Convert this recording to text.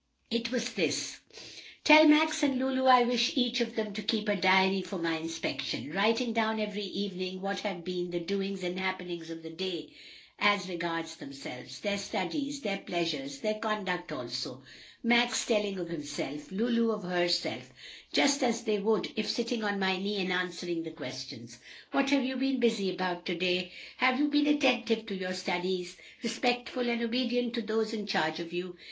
It was this: "Tell Max and Lulu I wish each of them to keep a diary for my inspection, writing down every evening what have been the doings and happenings of the day as regards themselves their studies, their pleasures, their conduct also. Max telling of himself, Lulu of herself, just as they would if sitting on my knee and answering the questions, 'What have you been busy about to day? Have you been attentive to your studies, respectful and obedient to those in charge of you?